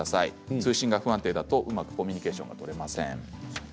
通信が不安定だとうまくコミュニケーションが取れません。